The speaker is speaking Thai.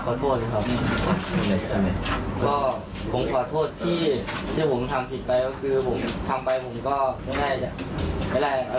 ก็ผมขอโทษที่ที่ผมทำผิดไปก็คือ